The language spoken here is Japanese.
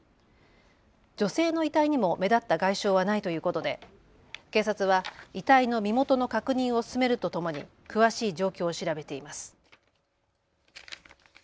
女性の遺体にも目立った外傷はないということで警察は遺体の身元の確認を進めるとともに詳しい状況を調べています。